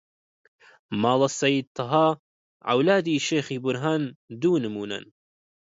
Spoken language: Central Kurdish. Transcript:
ماڵە سەید تەها، عەولادی شێخی بورهان دوو نموونەن